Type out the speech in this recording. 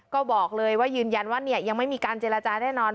ก็บอกเลยว่ายืนยันว่ายังไม่มีการเจรจาแน่นอน